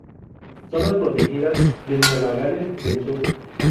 Zonas protegidas de Nueva Gales del Sur